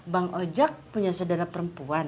bang ojek punya saudara perempuan